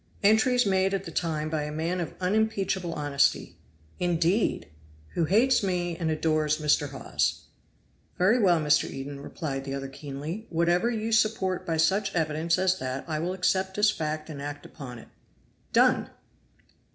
"Entries made at the time by a man of unimpeachable honesty." "Indeed!" "Who hates me and adores Mr. Hawes." "Very well, Mr. Eden," replied the other keenly, "whatever you support by such evidence as that I will accept as fact and act upon it." "Done!"